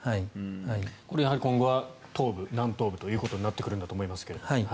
今後は東部、南東部ということになってくるんだと思いますが。